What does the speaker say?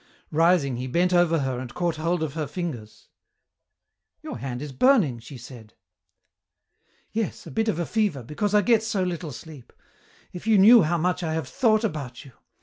Rising, he bent over her and caught hold of her fingers. "Your hand is burning," she said. "Yes, a bit of fever, because I get so little sleep. If you knew how much I have thought about you!